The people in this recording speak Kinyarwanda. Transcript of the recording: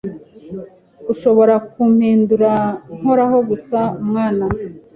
Ushobora kumpindura nkoraho gusa, mwana